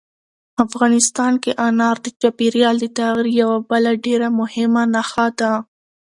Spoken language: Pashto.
افغانستان کې انار د چاپېریال د تغیر یوه بله ډېره مهمه نښه ده.